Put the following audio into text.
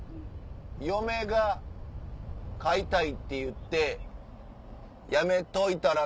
嫁が飼いたいって言ってやめといたら？